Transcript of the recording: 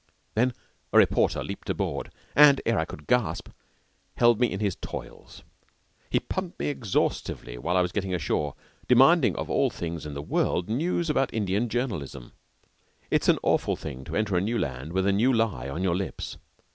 Then a reporter leaped aboard, and ere I could gasp held me in his toils. He pumped me exhaustively while I was getting ashore, demanding of all things in the world news about Indian journalism. It is an awful thing to enter a new land with a new lie on your lips.